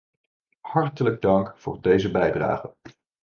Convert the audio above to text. Hartelijk dank voor deze bijdrage.